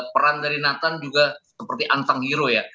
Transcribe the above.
peran dari nathan juga seperti antang hero ya